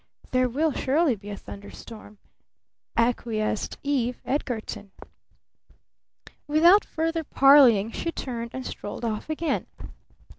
"There will surely be a thunder storm," acquiesced Eve Edgarton. Without further parleying she turned and strolled off again.